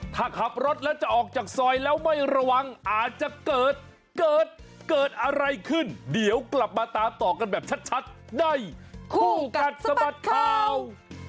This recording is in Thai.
ถ้าขับรถแล้วจะออกจากซอยแล้วไม่ระวังอาจจะเกิดเกิดเกิดอะไรขึ้นเดี๋ยวกลับมาตามต่อกันแบบชัดในคู่กัดสะบัดข่าว